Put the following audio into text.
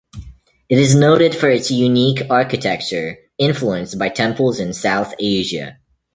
It is noted for its unique architecture, influenced by temples in South Asia.